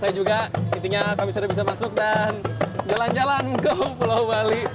saya juga intinya kami sudah bisa masuk dan jalan jalan ke pulau bali